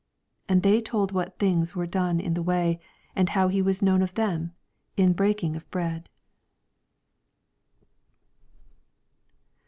85 And they told what things wer€ done in the way, and how he was known of them in breaking of bread.